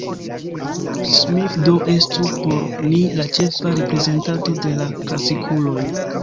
Smith do estu por ni la ĉefa reprezentanto de la klasikuloj.